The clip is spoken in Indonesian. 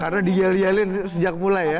karena di yell yell in sejak mulai ya